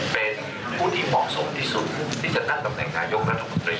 เป็นผู้ที่เหมาะสมที่สุดที่จะตั้งกับแห่งนายกระทบกฎิเตรียม